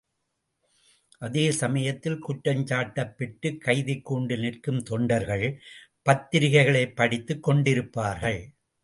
அதேசமயத்தில் குற்றங்சாட்டப் பெற்றுக் கைதிக் கூண்டில் நிற்கும் தொண்டர்கள் பத்திரிகைகளைப் படித்துக் கொண்டிருப்பார்கள்.